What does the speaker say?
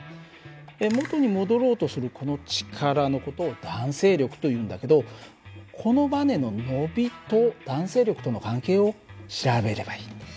元に戻ろうとするこの力の事を弾性力というんだけどこのばねの伸びと弾性力との関係を調べればいい。